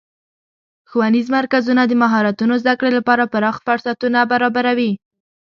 ښوونیز مرکزونه د مهارتونو زدهکړې لپاره پراخه فرصتونه برابروي.